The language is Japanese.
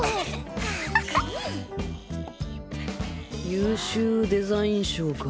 優秀デザイン賞か